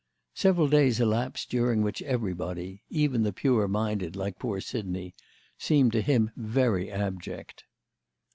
Several days elapsed during which everybody—even the pure minded, like poor Sidney—seemed to him very abject.